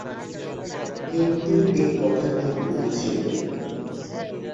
কিন্তু এই কথাটি ভুল ছিল।